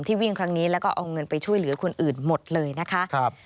วิ่งครั้งนี้แล้วก็เอาเงินไปช่วยเหลือคนอื่นหมดเลยนะคะ